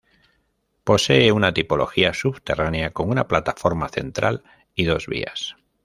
Posee una tipología subterránea con una plataforma central y dos vías.